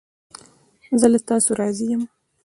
زه له تاسو راضی یم